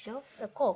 こう